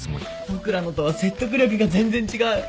僕らのとは説得力が全然違う。